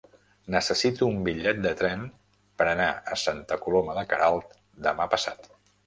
Necessito un bitllet de tren per anar a Santa Coloma de Queralt demà passat.